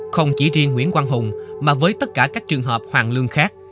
không chỉ riêng nguyễn quang hùng mà với tất cả các trường hợp hoàng lương khác